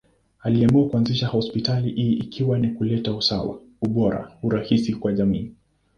Aliamua kuanzisha hospitali hii ikiwa ni kuleta usawa, ubora, urahisi kwa jamii.